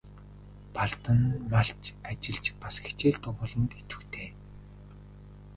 Балдан нь малч, ажилч, бас хичээл дугуйланд идэвхтэй.